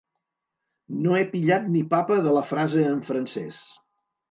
No he pillat ni papa de la frase en francès.